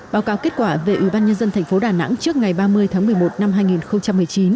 báo cáo kết quả về ubnd tp đà nẵng trước ngày ba mươi tháng một mươi một năm hai nghìn một mươi chín